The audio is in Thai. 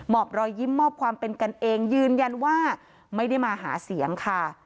อบรอยยิ้มมอบความเป็นกันเองยืนยันว่าไม่ได้มาหาเสียงค่ะ